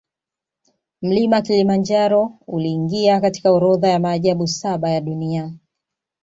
Mlima kilimanjaro uliingia katika orodha ya maajabu saba ya dunia